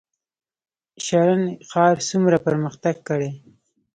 شرن ښار څومره پرمختګ کړی؟